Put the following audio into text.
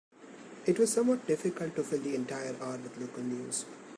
It was somewhat difficult to fill the entire hour with local news.